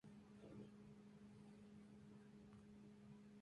Bring It Back!